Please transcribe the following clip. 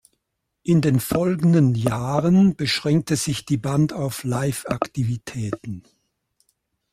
In den folgenden Jahren beschränkte sich die Band auf Live-Aktivitäten.